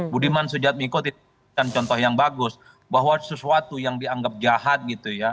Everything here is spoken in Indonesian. budiman sujadmiko itu contoh yang bagus bahwa sesuatu yang dianggap jahat